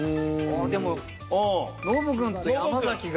でもノブくんと山崎が。